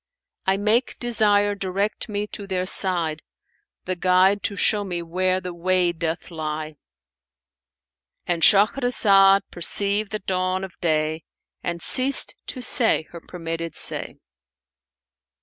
I make desire direct me to their side, * The guide to show me where the way doth lie." And Shahrazad perceived the dawn of day and ceased to say her permitted say.